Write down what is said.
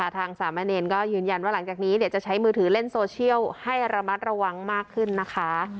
ทางสามะเนรก็ยืนยันว่าหลังจากนี้จะใช้มือถือเล่นโซเชียลให้ระมัดระวังมากขึ้นนะคะ